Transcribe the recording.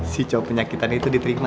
si cowok penyakitan itu diterima